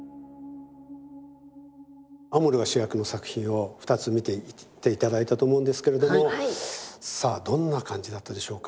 アモルが主役の作品を２つ見て頂いたと思うんですけれどもさあどんな感じだったでしょうか。